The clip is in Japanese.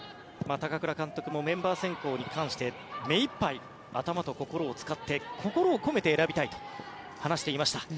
高倉監督もメンバー選考に関して目いっぱい頭と心を使って心を込めて選びたいと話していました。